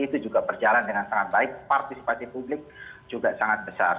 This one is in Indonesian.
itu juga berjalan dengan sangat baik partisipasi publik juga sangat besar